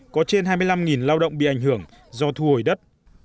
có trên hai mươi năm lao động bị ảnh hưởng do thu hồi đất